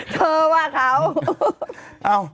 เธอว่าเขา